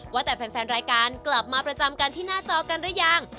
ว่าแต่แฟนรายการกลับมาประจำกันที่หน้าจอกันหรือยัง